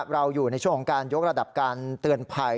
เราอยู่ในช่วงของการยกระดับการเตือนภัย